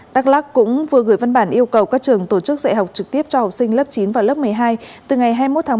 đắk lắc cũng vừa gửi văn bản yêu cầu các trường tổ chức dạy học trực tiếp cho học sinh lớp chín và lớp một mươi hai từ ngày hai mươi một tháng một